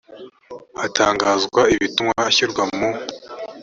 hatangazwa bituma ashyirwa mu